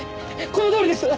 このとおりです。